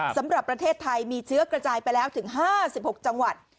สำหรับประเทศไทยมีเชื้อกระจายไปแล้วถึง๕๖จังหวัด